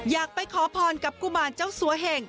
อยากไปขอพรกับกุมารเจ้าสัวเหง